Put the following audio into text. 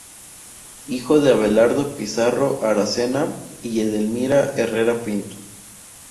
Hijo de Abelardo Pizarro Aracena y Edelmira Herrera Pinto.